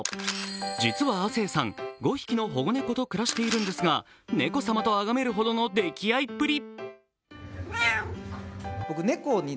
実は亜生さん、５匹の保護猫と暮らしているんですが、猫様とあがめるほどの溺愛っぷり。